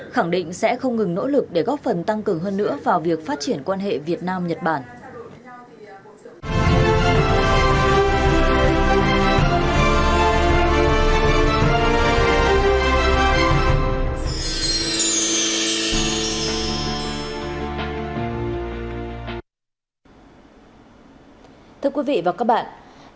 khẳng định sẽ không ngừng nỗ lực để góp phần tăng cường hơn nữa vào việc phát triển quan hệ việt nam nhật bản